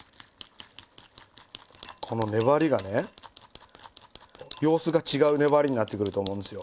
この粘りがね様子が違う粘りになってくると思うんですよ。